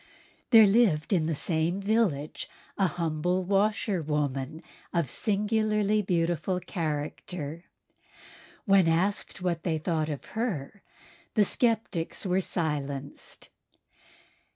There lived in the same village a humble washerwoman of singularly beautiful character. When asked what they thought of her the sceptics were silenced.